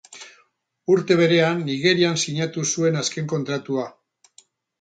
Urte berean, Nigerian sinatu zuen azken kontratua.